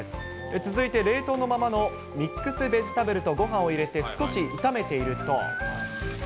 続いて冷凍のままのミックスベジタブルとごはんを入れて少し炒めていると。